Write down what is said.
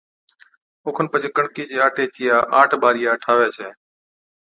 اوکن پڇي ڪڻڪِي چي آٽي چِيا آٺ ٻارِيا ٺاھوَي ڇَي